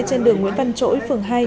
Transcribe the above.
trên đường nguyễn văn trỗi phường hai